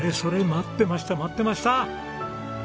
待ってました待ってました！